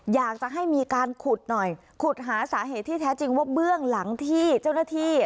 อยากจะให้มีการขุดหน่อยขุดหาสาเหตุที่แท้จริงว่าเบื้องหลังที่เจ้าหน้าที่